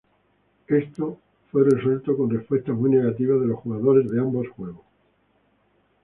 Esto fue resuelto con respuesta muy negativa de los jugadores de ambos juegos.